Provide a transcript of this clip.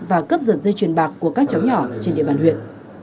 và cướp giật dây chuyền bạc của các cháu nhỏ trên địa bàn huyện